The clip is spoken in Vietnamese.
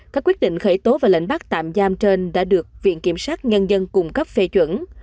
các quyết định khởi tố và lệnh bắt tạm giam trên đã được viện kiểm sát nhân dân cung cấp phê chuẩn